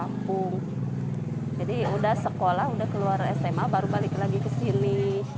jadi sudah sekolah sudah keluar sma baru balik lagi ke sini